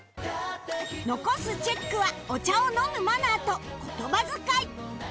残すチェックはお茶を飲むマナーと言葉遣い